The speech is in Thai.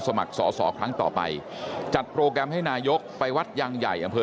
สมัครสอสอครั้งต่อไปจัดโปรแกรมให้นายกไปวัดยางใหญ่อำเภอ